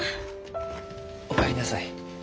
お帰りなさい。